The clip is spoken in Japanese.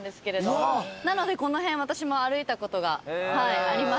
なのでこの辺私も歩いたことがあります。